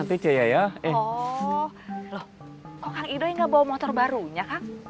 kok kang ido gak bawa motor barunya